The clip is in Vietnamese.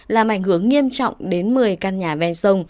làm ảnh hưởng nghiêm trọng đến một mươi căn nhà ven sông